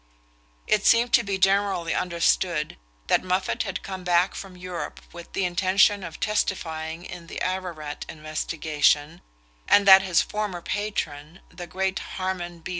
It seemed to be generally understood that Moffatt had come back from Europe with the intention of testifying in the Ararat investigation, and that his former patron, the great Harmon B.